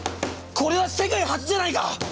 これは世界初じゃないか？